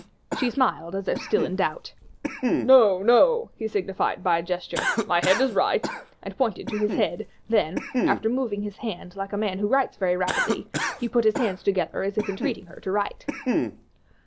She smiled, as if still in doubt. "No, no," he signified by a gesture, "my head is right," and pointed to his head, then, after moving his hand like a man who writes very rapidly, he put his hands together as if entreating her to write.